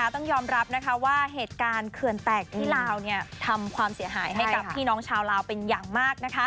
ต้องยอมรับว่าเหตุการณ์เขื่อนแตกที่ลาวทำความเสียหายให้กับพี่น้องชาวลาวเป็นอย่างมาก